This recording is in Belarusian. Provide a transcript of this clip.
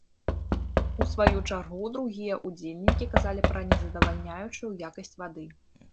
У сваю чаргу другія ўдзельнікі казалі пра незадавальняючую якасць вады.